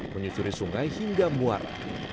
menyusuri sungai hingga muara